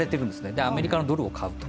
で、アメリカのドルを買うと。